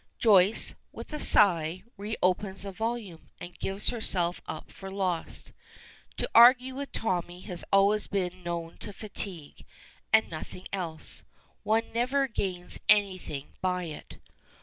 Joyce, with a sigh, reopens the volume, and gives herself up for lost. To argue with Tommy is always to know fatigue, and nothing else. One never gains anything by it.